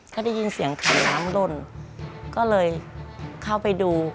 ก็ได้ยินเสียงคันน้ำล่นก็เลยเข้าไปดู